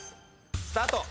スタート。